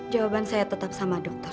jawaban saya tetap sama dokter